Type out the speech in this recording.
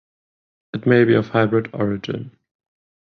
It may be of hybrid origin.